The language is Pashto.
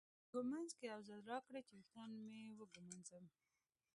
ږومنځ به یو ځل راکړې چې ویښتان مې وږمنځم.